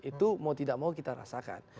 itu mau tidak mau kita rasakan